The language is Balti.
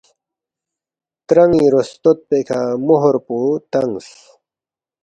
تران٘ی روستوت پیکھہ مُہر پو تنگس